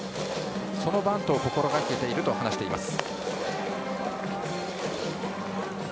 そのバントを心がけていると話しています。